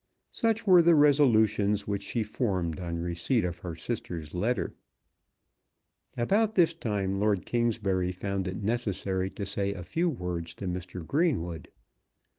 Such were the resolutions which she formed on receipt of her sister's letter. About this time Lord Kingsbury found it necessary to say a few words to Mr. Greenwood.